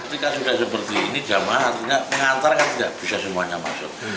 ketika sudah seperti ini jamaah artinya mengantar kan tidak bisa semuanya masuk